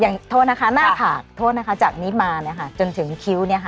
อย่างทอดนะคะหน้าผักจากนี้มาจนถึงคิ้ว